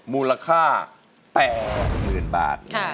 มูลค่า๘หมื่นบาท